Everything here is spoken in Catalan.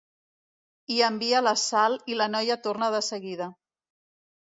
Hi envia la Sal i la noia torna de seguida.